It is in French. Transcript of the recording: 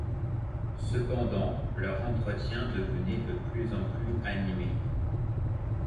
Cependant leur entretien devenait de plus en plus animé.